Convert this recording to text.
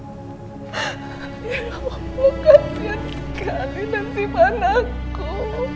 ya allah kasih sekali nanti anakku